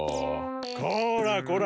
こらこら！